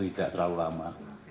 tidak terlalu lama